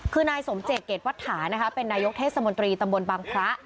คือนายสมเจตเกรดวัตถานะคะเป็นนายกเทศมนตรีตำบลบังพระ